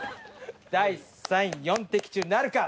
第３位４的中なるか。